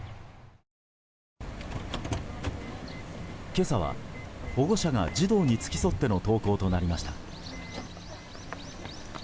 今朝は保護者が児童に付き添っての登校となりました。